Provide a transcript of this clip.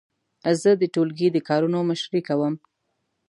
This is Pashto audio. زه د ټولګي د کارونو مشري کوم.